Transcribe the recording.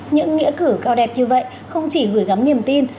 những nghĩa cử cao đẹp như vậy không chỉ gửi gắm niềm tin